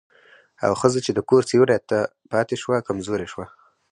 او ښځه چې د کور سيوري ته پاتې شوه، کمزورې شوه.